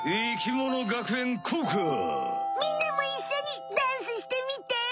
みんなもいっしょにダンスしてみて！